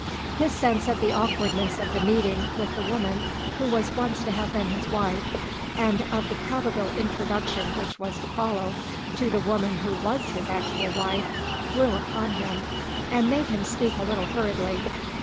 His sense of the awkwardness of the meeting with the woman who was once to have been his wife, and of the probable introduction which was to follow to the woman who was his actual wife grew upon him, and made him speak a little hurriedly.